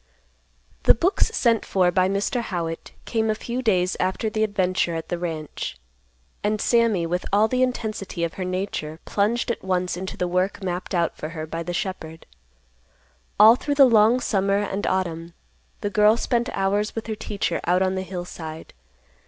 The books sent for by Mr. Howitt came a few days after the adventure at the ranch, and Sammy, with all the intensity of her nature, plunged at once into the work mapped out for her by the shepherd. All through the long summer and autumn, the girl spent hours with her teacher out on the hillside.